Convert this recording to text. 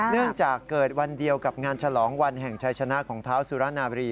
เนื่องจากเกิดวันเดียวกับงานฉลองวันแห่งชายชนะของเท้าสุรนาบรี